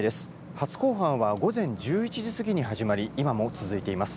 初公判は午前１１時過ぎに始まり今も続いています。